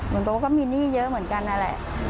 ผลโทรก็มีหนี้เยอะเหมือนกันน่ะแล้ว